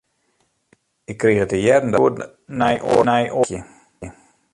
Ik krige te hearren dat ik net goed nei oaren harkje.